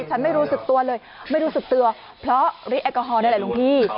ฉันไม่รู้สึกตัวเลยไม่รู้สึกตัวเพราะหรือแอลกอฮอล์ได้หลายหลวงพี่